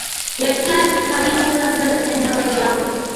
X கதிர்மூலங்கள் என்பவை யாவை?